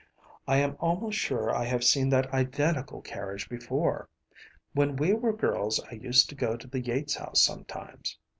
I am almost sure I have seen that identical carriage before. When we were girls I used to go to the Yates house sometimes.